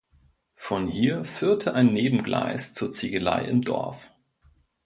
Von hier führte ein Nebengleis zur Ziegelei im Dorf.